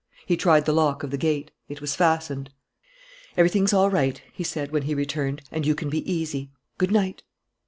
He tried the lock of the gate. It was fastened. "Everything's all right," he said when he returned, "and you can be easy. Good night."